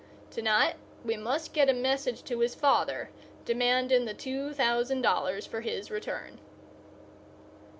To night we must get a message to his father demanding the two thousand dollars for his return."